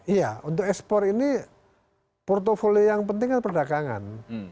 iya untuk ekspor ini portfolio yang penting kan perdagangan